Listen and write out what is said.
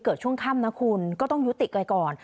เกิดช่วงค่ำนะคุณก็ต้องยุติกอะไรก่อน